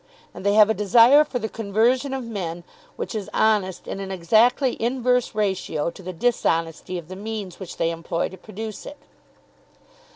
And they have a desire for the conversion of men which is honest in an exactly inverse ratio to the dishonesty of the means which they employ to produce it.